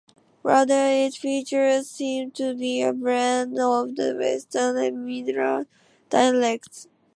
Rather, its features seem to be a blend of the Western and Midland dialects.